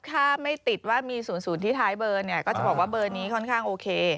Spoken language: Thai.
ถ้าไม่ติดว่ามี๐๐ที่ท้ายเบอร์เนี่ยก็จะบอกว่าเบอร์นี้ค่อนข้างโอเค